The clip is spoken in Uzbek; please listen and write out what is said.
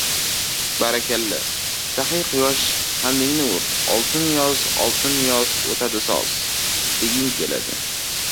Barakalla, saxiy quyosh, qandingni ur, oltin yoz, oltin yoz — o‘tadi soz, deging keladi!